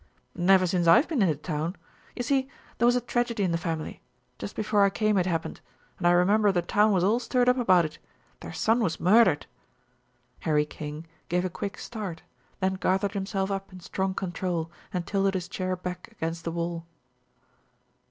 "Never since I've been in the town. You see, there was a tragedy in the family. Just before I came it happened, and I remember the town was all stirred up about it. Their son was murdered." Harry King gave a quick start, then gathered himself up in strong control and tilted his chair back against the wall.